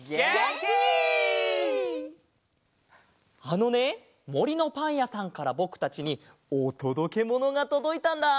あのねもりのパンやさんからぼくたちにおとどけものがとどいたんだ！